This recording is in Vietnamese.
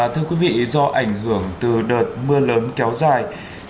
thưa quý vị do ảnh hưởng từ đợt mưa lớn kéo dài